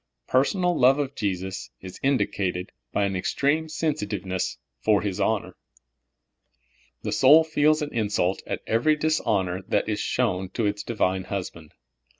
Personal love of Jesus is indicated b}^ an ex treme sensitiveness for His honor. The soul feels an insult at ever\' dishonor that is shown to its Divine Husband.